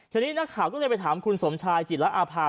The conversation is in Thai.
ทีนี้นักข่าวก็เลยไปถามคุณสมชายจิระอาภา